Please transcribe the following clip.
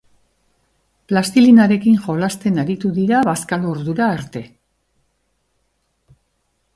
Plastilinarekin jolasten aritu dira bazkalordura arte.